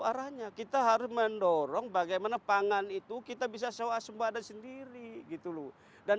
barangnya kita harus mendorong bagaimana pangan itu kita bisa sewa sembuh ada sendiri gitu lho dan